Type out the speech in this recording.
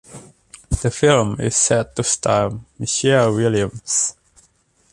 The film is set to star Michelle Williams.